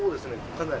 かなり。